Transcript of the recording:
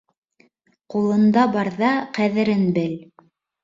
Ҡулында барҙа ҡәҙерен бел.